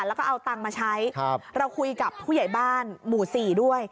แล้วก็เอาตังค์มาใช้ครับเราคุยกับผู้ใหญ่บ้านหมู่สี่ด้วย